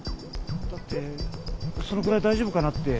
だってそのぐらい大丈夫かなって。